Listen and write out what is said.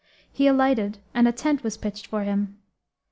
He alighted and a tent was pitched for him.